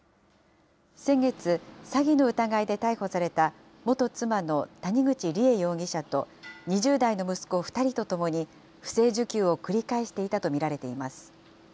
先月、詐欺の疑いで逮捕された元妻の谷口梨恵容疑者と、２０代の息子２人と共に、不正受給を繰り返していたと見られています。